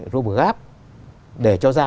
robogap để cho ra